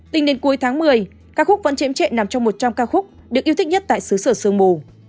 tính đến cuối tháng một mươi các khúc vẫn chém chệ nằm trong một trăm linh ca khúc được yêu thích nhất tại xứ sở sương mù